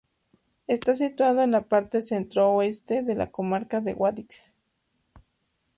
Está situado en la parte centro-oeste de la comarca de Guadix.